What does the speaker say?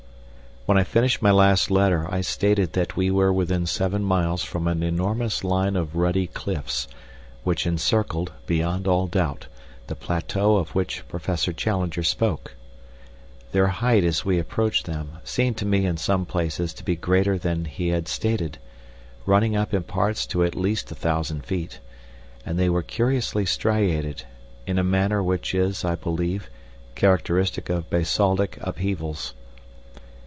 When I finished my last letter I stated that we were within seven miles from an enormous line of ruddy cliffs, which encircled, beyond all doubt, the plateau of which Professor Challenger spoke. Their height, as we approached them, seemed to me in some places to be greater than he had stated running up in parts to at least a thousand feet and they were curiously striated, in a manner which is, I believe, characteristic of basaltic upheavals.